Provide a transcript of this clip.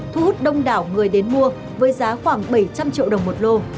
thu hút đông đảo người đến mua với giá khoảng bảy trăm linh triệu đồng một lô